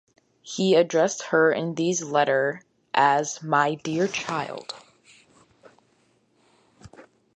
He addressed her in these letter as "My dear child".